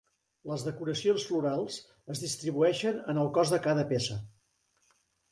Les decoracions florals es distribueixen en el cos de cada peça.